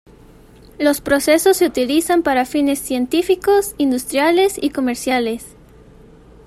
Los procesos se utilizan para fines científicos, industriales y comerciales.